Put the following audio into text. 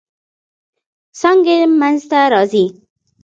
څانګې منځ ته راځي.